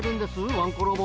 ワンコロボ。